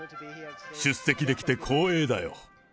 出席できて光栄だよ。